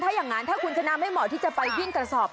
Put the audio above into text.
ถ้าอย่างนั้นถ้าคุณชนะไม่เหมาะที่จะไปวิ่งกระสอบ